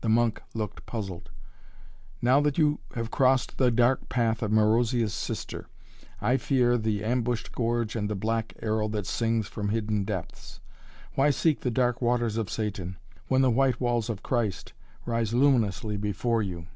The monk looked puzzled. "Now that you have crossed the dark path of Marozia's sister I fear the ambushed gorge and the black arrow that sings from the hidden depths. Why seek the dark waters of Satan, when the white walls of Christ rise luminously before you?"